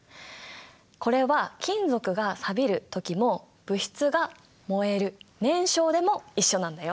これは金属がさびる時も物質が燃える燃焼でも一緒なんだよ。